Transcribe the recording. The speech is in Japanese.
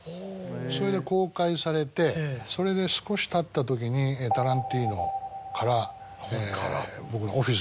それで公開されてそれで少したった時にタランティーノから僕の。